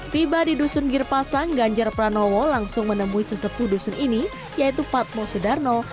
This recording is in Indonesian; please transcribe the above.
tiba di dusun girpasang ganjar pranowo langsung menemui sesepuh dusun ini yaitu patmo sudarno